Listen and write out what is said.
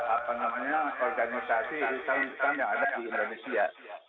apa namanya organisasi yang ada di indonesia